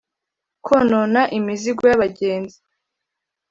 konona imizigo y’abagenzi